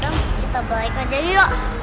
mas kita balik aja yuk